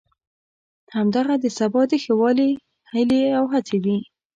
همدغه د سبا د ښه والي هیلې او هڅې دي.